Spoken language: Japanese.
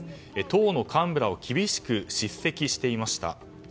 党の幹部らを厳しく叱責していました。